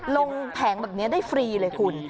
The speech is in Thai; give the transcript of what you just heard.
แผงแบบนี้ได้ฟรีเลยคุณ